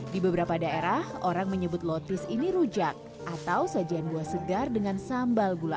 di beberapa daerah orang menyebut lotis ini rujak atau sajian buah segar dengan sambal gula